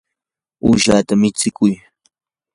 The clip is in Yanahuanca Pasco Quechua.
uushata michikuy.